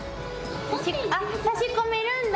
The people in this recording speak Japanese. あっ差し込めるんだ。